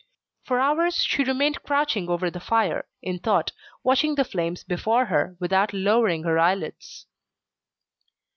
For hours she remained crouching over the fire, in thought, watching the flames before her, without lowering her eyelids.